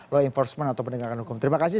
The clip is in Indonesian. law enforcement atau penegakan hukum terima kasih